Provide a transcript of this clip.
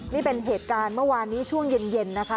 นี่เป็นเหตุการณ์เมื่อวานนี้ช่วงเย็นนะคะ